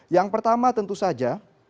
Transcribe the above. yang pertama tentu saja